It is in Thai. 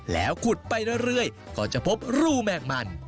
แล้วขุดไปเรื่อยก็จะพบรูแมงมัน